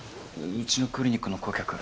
うちのクリニックの顧客。